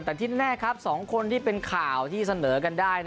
แต่ที่แน่ครับ๒คนที่เป็นข่าวที่เสนอกันได้